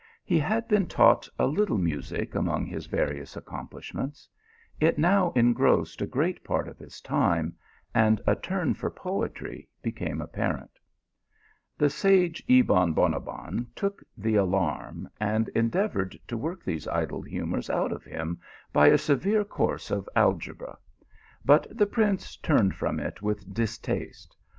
He had been taught a little music among his various accom plishments ; it now engrossed a great ^"* THE P1LOU1M OF LO VE. 191 i ime, and a turn for poetry became apparent. The sage Kbon Bonabbon took the alarm, and endeavoured to work these idle humours out of him by a severe course of algebra ; but the prince turned from it with distaste.